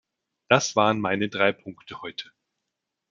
Das waren meine drei Punkte heute.